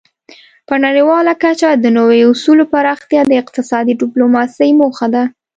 په نړیواله کچه د نوي اصولو پراختیا د اقتصادي ډیپلوماسي موخه ده